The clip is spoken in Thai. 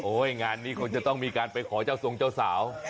โอ้ยงานนี้ควรจะต้องมีการไปขอเจ้าส่องเจ้าสาว